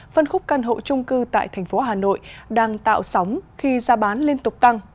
phân khúc căn hộ trung cư tại thành phố hà nội đang tạo sóng khi gia bán liên tục tăng